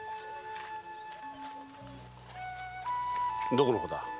どこの子だ？